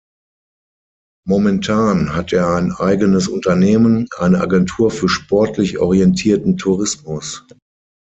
Momentan hat er ein eigenes Unternehmen, eine Agentur für sportlich orientierten Tourismus.